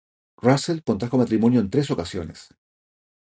Russell contrajo matrimonio en tres ocasiones.